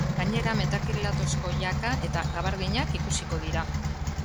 Gainera, metakrilatozko jaka eta gabardinak ikusiko dira.